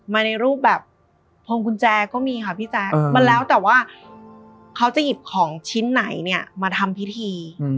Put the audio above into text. ในรูปแบบพวงกุญแจก็มีค่ะพี่แจ๊คมันแล้วแต่ว่าเขาจะหยิบของชิ้นไหนเนี่ยมาทำพิธี